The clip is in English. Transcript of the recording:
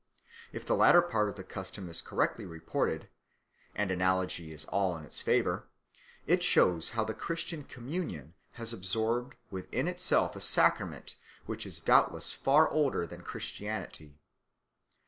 If the latter part of the custom is correctly reported (and analogy is all in its favour), it shows how the Christian communion has absorbed within itself a sacrament which is doubtless far older than Christianity.